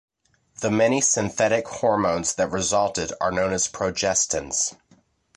The many synthetic hormones that resulted are known as progestins.